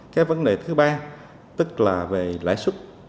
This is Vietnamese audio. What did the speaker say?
cái vấn đề thứ ba tức là về lãi suất